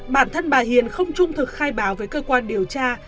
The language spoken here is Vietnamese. bản thân bà hiền không trung thực khai báo với cơ quan điều tra